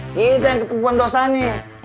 ini kita yang ketukupan dosanya